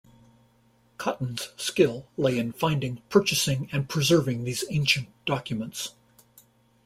Cotton's skill lay in finding, purchasing and preserving these ancient documents.